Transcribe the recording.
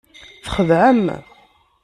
Txedɛem.